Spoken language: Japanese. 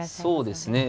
そうですね。